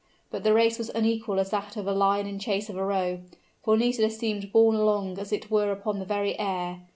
But the race was unequal as that of a lion in chase of a roe; for Nisida seemed borne along as it were upon the very air.